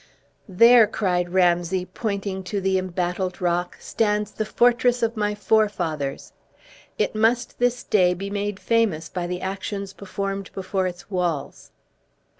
"There," cried Ramsay, pointing to the embattled rock, "stands the fortress of my forefathers! It must this day be made famous by the actions performed before its walls!"